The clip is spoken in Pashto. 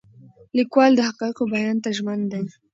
لیکوال د حقایقو بیان ته ژمن دی.